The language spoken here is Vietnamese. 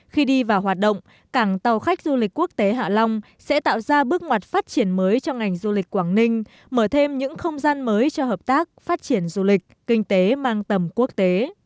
khi đi vào hoạt động cảng tàu khách du lịch quốc tế hạ long sẽ tạo ra bước ngoặt phát triển mới cho ngành du lịch quảng ninh mở thêm những không gian mới cho hợp tác phát triển du lịch kinh tế mang tầm quốc tế